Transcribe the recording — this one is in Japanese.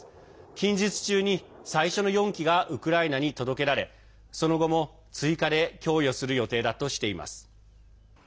近日中に最初の４機がウクライナに届けられその後も追加で供与する予定だとしています。